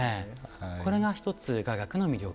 これが一つ雅楽の魅力。